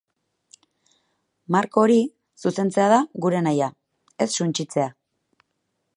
Marko hori zuzentzea da gure nahia, ez suntsitzea.